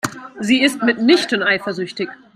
Sie ist mitnichten eifersüchtig.